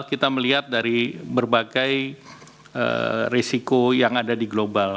kita melihat dari berbagai risiko yang ada di global